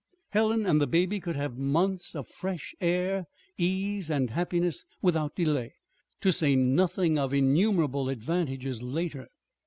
Helen and the baby could have months of fresh air, ease, and happiness without delay, to say nothing of innumerable advantages later.